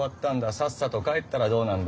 さっさと帰ったらどうなんだ。